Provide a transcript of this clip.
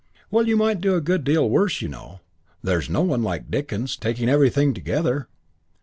"Well, you might do a good deal worse, you know. There's no one like Dickens, taking everything together."